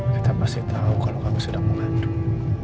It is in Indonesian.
kita pasti tau kalau kamu sedang mengandung